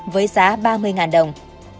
với giá ba mươi đồng